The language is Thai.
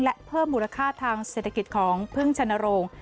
และเพิ่มมูลค่าทางเศรษฐกิจของพึ่งชนโรง